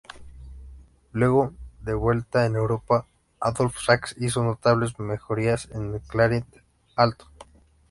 Luego, de vuelta en Europa, Adolphe Sax hizo notables mejorías en el clarinete alto.